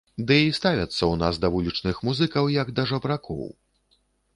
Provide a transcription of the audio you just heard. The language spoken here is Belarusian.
Ды і ставяцца ў нас да вулічных музыкаў як да жабракоў.